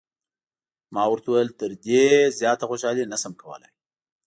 ما ورته وویل: تر دې زیاته خوشحالي نه شم کولای.